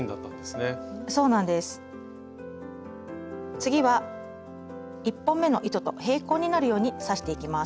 次は１本目の糸と平行になるように刺していきます。